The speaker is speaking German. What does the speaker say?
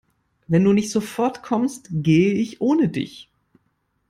Wenn du nicht sofort kommst, gehe ich ohne dich.